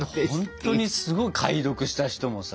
ほんとにすごい解読した人もさ。